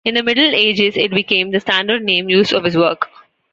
In the Middle Ages it became the standard name used of his work.